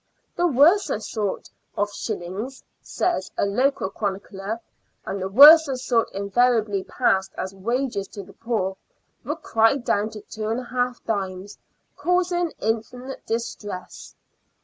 " The worser sort " of shillings, says a local chronicler — and the worser sort invariably passed as wages to the poor — were cried down to 2|d., causing infinite distress.